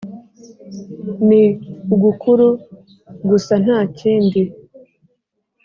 ni ugukuru gusa ntakindi